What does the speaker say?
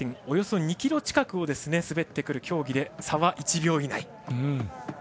およそ２ｋｍ近くを滑ってくる競技で差は１秒以内。